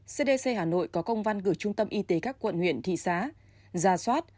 cdc hà nội có công văn gửi trung tâm y tế các quận huyện thị xá gia soát